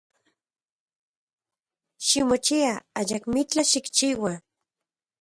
Ximochia, ayakmitlaj xikchiua.